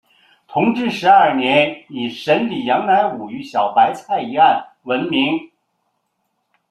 同治十二年以审理杨乃武与小白菜一案闻名。